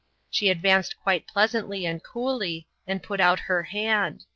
She advanced quite pleasantly and coolly, and put out her hand.